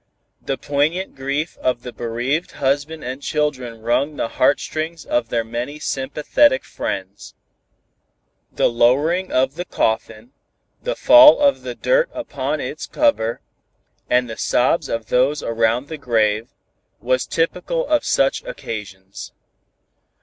The poignant grief of the bereaved husband and children wrung the heartstrings of their many sympathetic friends. The lowering of the coffin, the fall of the dirt upon its cover, and the sobs of those around the grave, was typical of such occasions.